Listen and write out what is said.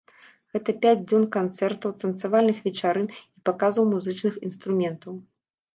Гэта пяць дзён канцэртаў, танцавальных вечарын і паказаў музычных інструментаў.